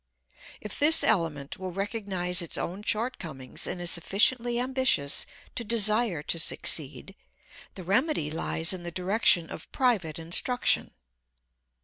If this element will recognize its own shortcomings and is sufficiently ambitious to desire to succeed, the remedy lies in the direction of private instruction.